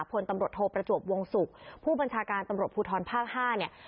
พลตำรวจโทประจวบวงศุกร์ผู้บัญชาการตำรวจภูทรภาค๕เนี่ย